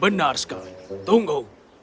benar sekali tunggu